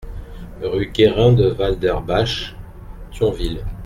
Rue Guérin de Waldersbach, Thionville